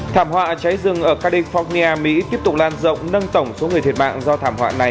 thảm họa cháy rừng ở california mỹ tiếp tục lan rộng nâng tổng số người thiệt mạng do thảm họa này đến ba mươi một người